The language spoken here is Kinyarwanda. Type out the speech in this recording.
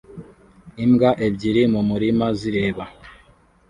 Imbwa ebyiri mumurima zireba